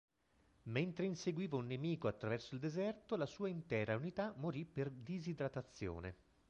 Mentre inseguiva un nemico attraverso il deserto, la sua intera unità morì per disidratazione.